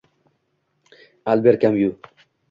Alber Kamyu